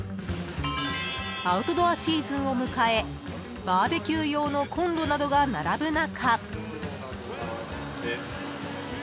［アウトドアシーズンを迎えバーベキュー用のこんろなどが並ぶ中］